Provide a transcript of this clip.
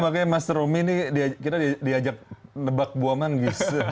makanya mas romi ini kita diajak nebak buah manggis